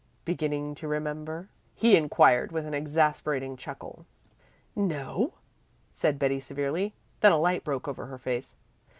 Beginning to remember?" he inquired with an exasperating chuckle. "No," said Betty severely. Then a light broke over her face.